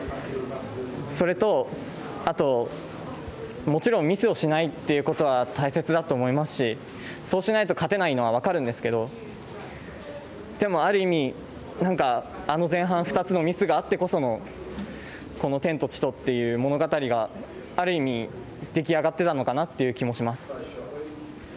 それと、あと、もちろんミスをしないっていうことは大切だと思いますしそうしないと勝てないのは分かるんですけどでもある意味、なんかあの前半２つのミスがあってこそのこの「天と地と」っていう物語がある意味出来上がってたのかなって思います。